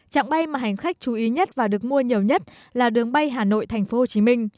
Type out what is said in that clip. trạng bay mà hành khách chú ý nhất và được mua nhiều nhất là đường bay hà nội thành phố hồ chí minh